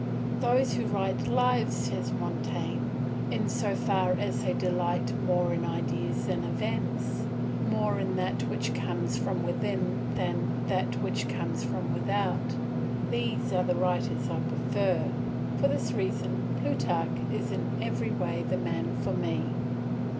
"Those who write lives," says Montaigne, "in so far as they delight more in ideas than in events, more in that which comes from within than in that which comes from without, these are the writers I prefer; for this reason Plutarch is in every way the man for me."